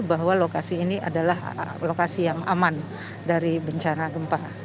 bahwa lokasi ini adalah lokasi yang aman dari bencana gempa